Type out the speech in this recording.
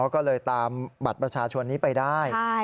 ก็เลยตามบัตรประชาชนนี้ไปได้